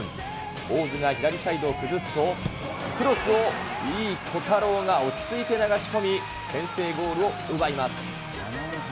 大津が左サイドを崩すと、クロスを井伊虎太郎が落ち着いて流し込み、先制ゴールを奪います。